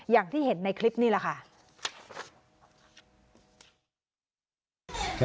อย่างที่เห็นในคลิปนี่แหละค่ะ